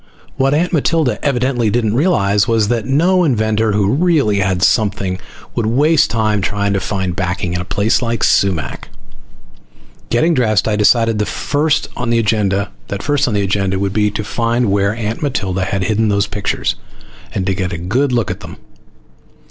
What Aunt Matilda evidently didn't realize was that no inventor who really had something would waste time trying to find backing in a place like Sumac. Getting dressed, I decided that first on the agenda would be to find where Matilda had hidden those pictures, and get a good look at them.